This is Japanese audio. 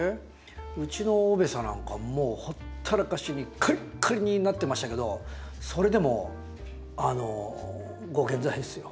うちのオベサなんかもうほったらかしにカリッカリになってましたけどそれでもあのご健在ですよ。